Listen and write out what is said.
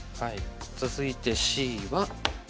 続いてＣは。